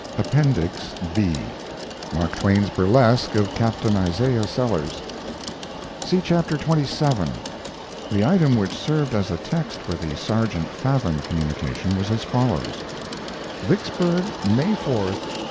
APPENDIX B MARK TWAIN'S BURLESQUE OF CAPTAIN ISAIAH SELLERS (See Chapter xxvii) The item which served as a text for the "Sergeant Fathom" communication was as follows: VICKSBURG, May 4, 1859.